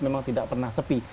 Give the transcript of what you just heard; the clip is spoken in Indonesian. memang tidak pernah sepi